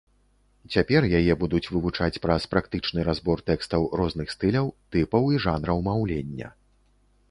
Цяпер яе будуць вывучаць праз практычны разбор тэкстаў розных стыляў, тыпаў і жанраў маўлення.